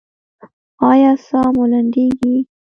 ایا ساه مو لنډیږي؟